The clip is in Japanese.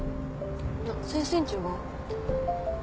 あっ先生んちは？